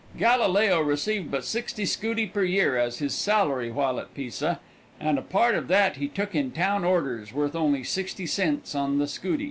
Galileo received but sixty scudi per year as his salary while at Pisa, and a part of that he took in town orders, worth only sixty cents on the scudi.